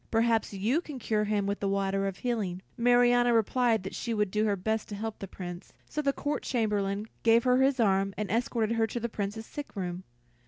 Perhaps you can cure him with the water of healing." Marianna replied that she would do her best to help the Prince; so the Court Chamberlain gave her his arm, and escorted her to the Prince's sick room.